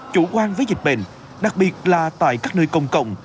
chủ quan với dịch bệnh đặc biệt là tại các nơi công cộng